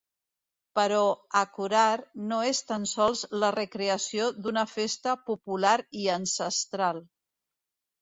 Però ‘Acorar’ no és tan sols la recreació d’una festa popular i ancestral.